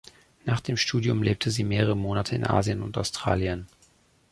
Nach dem Studium lebte sie mehrere Monate in Asien und Australien.